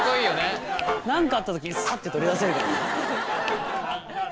何かあった時にサッて取り出せるからね。